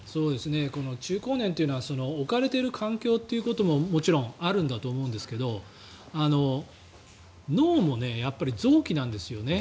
中高年というのは置かれている環境ということももちろんあるんだと思いますが脳もやっぱり臓器なんですよね。